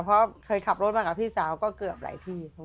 เพราะเคยขับรถมากับพี่สาวก็เกือบหลายที่